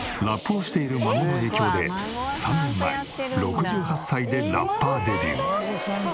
ラップをしている孫の影響で３年前６８歳でラッパーデビュー。